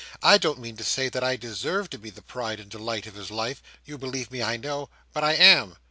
I don't mean to say that I deserve to be the pride and delight of his life—you believe me, I know—but I am.